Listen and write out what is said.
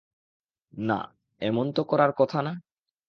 না, এমন তো করার কথা না।